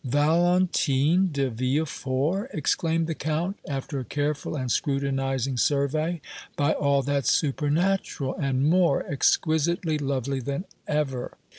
"Valentine de Villefort!" exclaimed the Count, after a careful and scrutinizing survey, "by all that's supernatural; and more exquisitely lovely than ever!"